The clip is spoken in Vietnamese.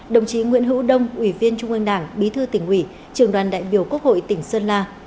đồng chí nguyễn hữu đông ủy viên trung ương đảng bí thư tỉnh ủy trường đoàn đại biểu quốc hội tỉnh sơn la